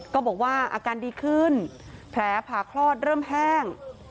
ก็บอกว่าอาการดีขึ้นแผลผ่าคลอดเริ่มแห้ง